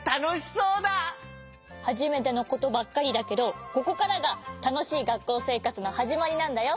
はじめてのことばっかりだけどここからがたのしいがっこうせいかつのはじまりなんだよ。